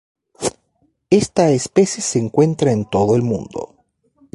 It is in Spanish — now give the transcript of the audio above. Esta especie se encuentra en todo el mundo.